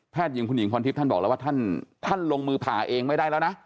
หญิงคุณหญิงพรทิพย์ท่านบอกแล้วว่าท่านลงมือผ่าเองไม่ได้แล้วนะ